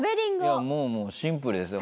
いやもうもうシンプルですよ。